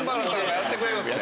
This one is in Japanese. やってくれました。